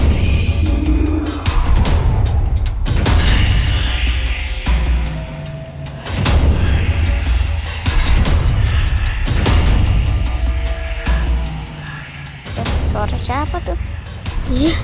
suara siapa tuh